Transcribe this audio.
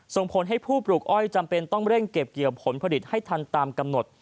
ส่งผลให้ผู้ปลูกอ้อยจำเป็นต้องเร่งเก็บเกี่ยวผลผลิตให้ทันตามกำหนด